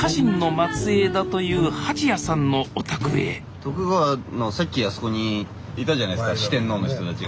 徳川のさっきあそこにいたじゃないですか四天王の人たちが。